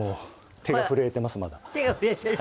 手が震えてます